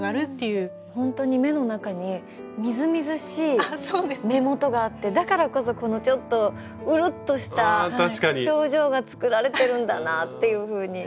本当に目の中にみずみずしい目元があってだからこそこのちょっとうるっとした表情が作られてるんだなっていうふうに思いました。